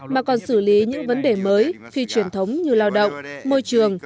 mà còn xử lý những vấn đề mới phi truyền thống như lao động môi trường